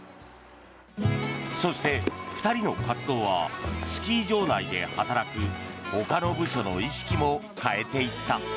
そして、２人の活動はスキー場内で働くほかの部署の意識も変えていった。